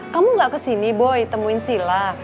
kamu gak kesini boy temuin sila